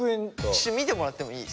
ちょっと見てもらってもいいですか？